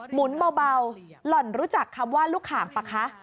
หมุนเบาหล่อนรู้จักคำว่าลูกขางป่ะคะ